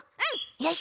よし！